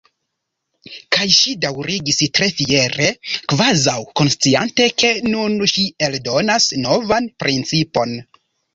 Kaj ŝi daŭrigis tre fiere, kvazaŭ konsciante ke nun ŝi eldonas novan principon.